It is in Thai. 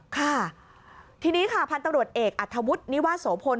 ค่ะทีนี้ค่ะพันธุ์ตำรวจเอกอัธวุฒินิวาโสพล